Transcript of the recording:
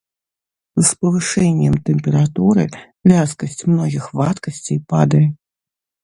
З павышэннем тэмпературы вязкасць многіх вадкасцей падае.